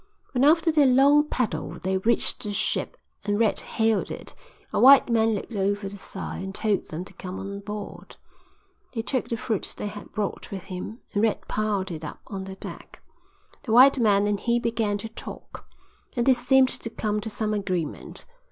When after their long paddle they reached the ship and Red hailed it, a white man looked over the side and told them to come on board. They took the fruit they had brought with them and Red piled it up on the deck. The white man and he began to talk, and they seemed to come to some agreement.